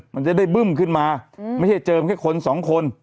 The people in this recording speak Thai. มันจะได้บึ้มขึ้นมาไม่ใช่เจิมแค่คนสองคน